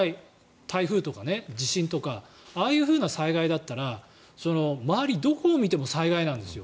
台風とか地震とかああいうふうな災害だったら周りどこを見ても災害なんですよ。